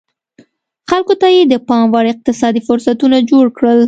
خلکو ته یې د پام وړ اقتصادي فرصتونه جوړ کړل